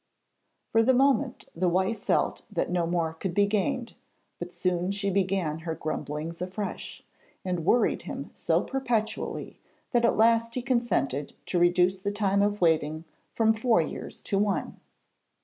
For the moment the wife felt that no more could be gained, but soon she began her grumblings afresh, and worried him so perpetually that at last he consented to reduce the time of waiting from four years to one.